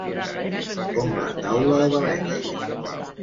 Com la Taula de València.